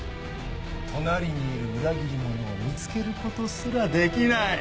隣にいる裏切り者を見つけることすらできない。